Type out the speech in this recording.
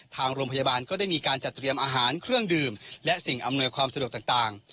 ทางโรงพยาบาลก็ได้มีการจัดเตรียมอาหารเครื่องดื่มและสิ่งอำนวยความสะดวกต่าง